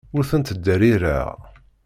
Ur tent-ttderrireɣ.